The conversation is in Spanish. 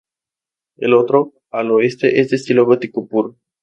El otro, al Oeste, es de estilo gótico puro.